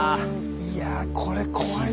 いやぁこれ怖いな。